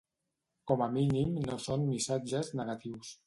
Com a mínim no són missatges negatius.